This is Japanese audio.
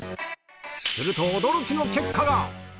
すると驚きの結果が。